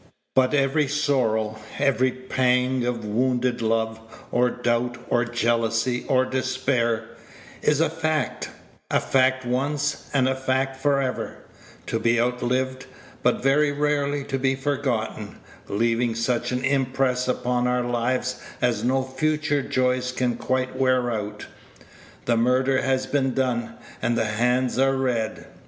But every sorrow, every pang of wounded love, or doubt, or jealousy, or despair, is a fact a fact once, and a fact for ever; to be outlived, but very rarely to be forgotten; leaving such an impress upon our lives as no future joys can quite wear out. The murder has been done, and the hands are red.